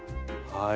はい。